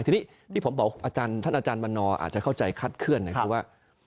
ทีนี้ที่ผมบอกอาจารย์ท่านอาจารย์วันนอร์อาจจะเข้าใจคัดเคลื่อนคือว่า